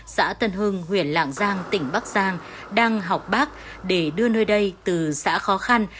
xã tân hưng huyện lạng giang tỉnh bắc giang đang học bác để đưa nơi đây từ xã khó khăn